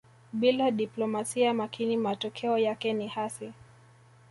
Bila diplomasia makini matokeo yake ni hasi